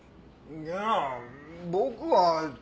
いや僕は。